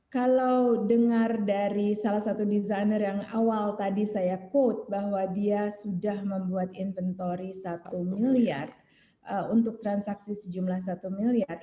kalau dengar dari salah satu desainer yang awal tadi saya quote bahwa dia sudah membuat inventory satu miliar untuk transaksi sejumlah satu miliar